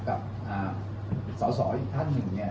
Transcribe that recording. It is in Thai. กับสาวอีกท่านหนึ่งเนี่ย